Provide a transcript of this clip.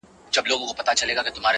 ويل يې غواړم ځوانيمرگ سي ـ